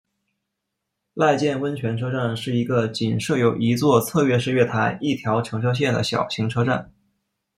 濑见温泉车站是一个仅设有一座侧式月台一条乘车线的小型车站。